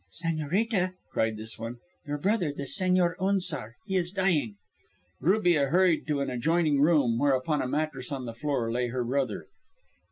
"Señorita," cried this one, "your brother, the Señor Unzar, he is dying." Rubia hurried to an adjoining room, where upon a mattress on the floor lay her brother.